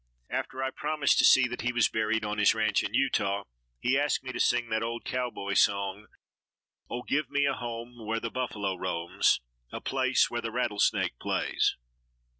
After I promised to see that he was buried on his ranch in Utah, he asked me to sing that old cowboy song, "Oh! give me a home where the buffalo roams, a place where the rattlesnake plays."